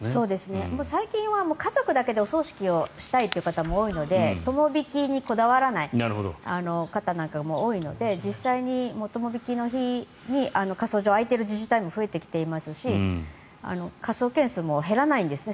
最近は家族だけでお葬式をしたい方も多いので友引にこだわらない方も多いので、実際に友引の日に火葬場が空いている自治体も増えてきていますし火葬件数も減らないんですね